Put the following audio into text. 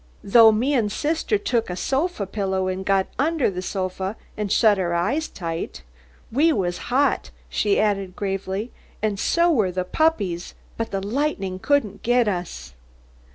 Tho me and thithter took a thofa pillow and got under the thofa and shut our eyeth tight. We wath hot," she added, gravely, "and tho wath the puppieth, but the lightnin' couldn't get uth."